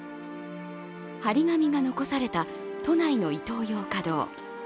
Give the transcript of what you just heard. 張り紙が残された都内のイトーヨーカドー。